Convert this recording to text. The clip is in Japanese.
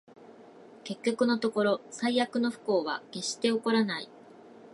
結局のところ、最悪の不幸は決して起こらない